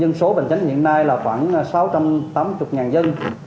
dân số bình chánh hiện nay là khoảng sáu trăm tám mươi dân